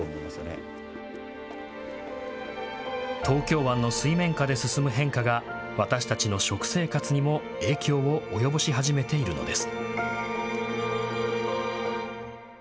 東京湾の水面下で進む変化が私たちの食生活にも影響を及ぼし始めているのです。